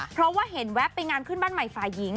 เพราะว่าเห็นแวะไปงานขึ้นบ้านใหม่ฝ่ายหญิง